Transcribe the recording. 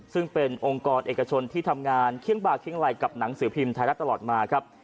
ซึ่งเป็นองค์กรเอกชนที่ทำงานเคี้ยงบากเคียงไหล่กับหนังสือพิมพ์ไทยรัฐตลอดมาครับ